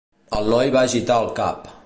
El noi va agitar el cap.